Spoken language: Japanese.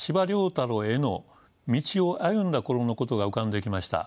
太郎への道を歩んだ頃のことが浮かんできました。